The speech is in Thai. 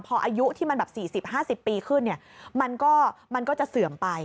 พออายุที่มันแบบ๔๐๕๐ปีขึ้นมันก็จะเสื่อมไป